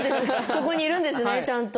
ここにいるんですねちゃんと。